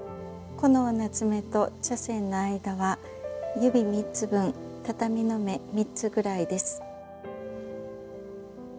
このお棗と茶せんの間は指３つ分畳の目３つぐらいです。